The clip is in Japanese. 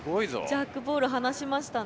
ジャックボールはなしましたね。